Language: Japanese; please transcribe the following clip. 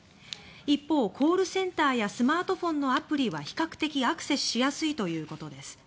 一方、コールセンターやスマートフォンのアプリは比較的アクセスしやすいということです。